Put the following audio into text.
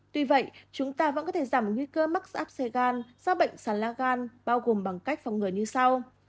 tuy vậy chúng ta vẫn có thể giảm nguy cơ mắc áp xê gan do bệnh sán lá gan bao gồm bằng cách phòng người như sau